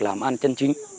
làm ăn chân chính